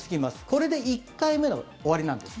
これで１回目の終わりなんです。